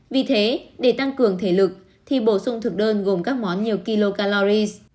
vì thế để tăng cường thể lực thì bổ sung thực đơn gồm các món nhiều kilorise